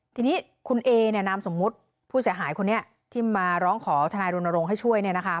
ทีนี้คุณเอเนี่ยนามสมมุติผู้เสียหายคนนี้ที่มาร้องขอทนายรณรงค์ให้ช่วยเนี่ยนะคะ